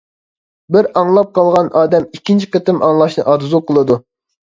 بىر ئاڭلاپ قالغان ئادەم ئىككىنچى قېتىم ئاڭلاشنى ئارزۇ قىلىدۇ.